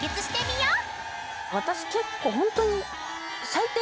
私結構ホントに。